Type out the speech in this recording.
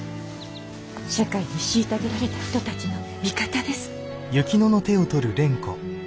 社会に虐げられた人たちの味方です。